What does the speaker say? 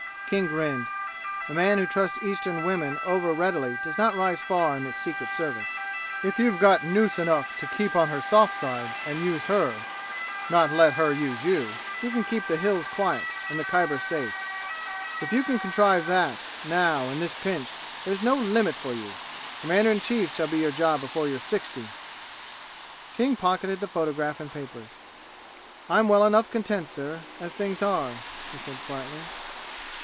King grinned. A man who trusts Eastern women over readily does not rise far in the Secret Service. "If you've got nous enough to keep on her soft side and use her not let her use you you can keep the 'Hills' quiet and the Khyber safe! If you can contrive that now in this pinch there's no limit for you! Commander in chief shall be your job before you're sixty!" King pocketed the photograph and papers. "I'm well enough content, sir, as things are," he said quietly.